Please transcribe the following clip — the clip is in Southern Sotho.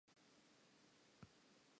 Re na le tshimo ya meroho.